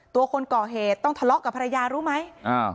คนก่อเหตุต้องทะเลาะกับภรรยารู้ไหม